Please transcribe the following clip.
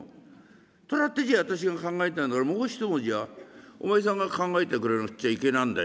虎っていう字は私が考えたんだからもう一文字はお前さんが考えてくれなくっちゃいけないんだよ。